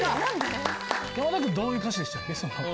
山田君どういう歌詞でしたっけ？